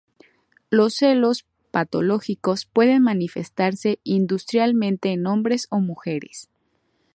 Los celos patológicos pueden manifestarse indistintamente en hombres o mujeres.